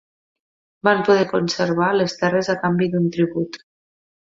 Van poder conservar les terres a canvi d'un tribut.